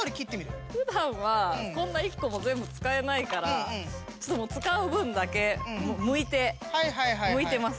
普段はこんな１個も全部使えないからちょっと使う分だけむいてむいてます。